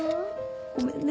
ごめんね。